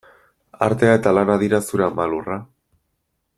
Artea eta lana dira zure ama lurra?